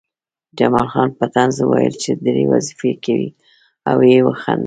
جمال خان په طنز وویل چې درې وظیفې کوې او ویې خندل